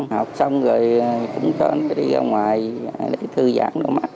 học xong rồi cũng cho nó đi ra ngoài để thư giãn đôi mắt